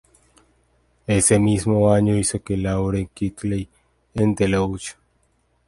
Ese mismo año hizo de Lauren Quigley, en "The Loch".